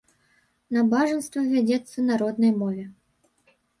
Набажэнства вядзецца на роднай мове.